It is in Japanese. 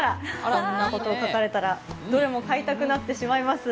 こんなことを書かれたらどれも買いたくなってしまいます。